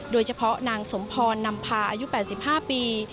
โดยเฉพาะนางสมพรนำพาอายุ๘๕ปี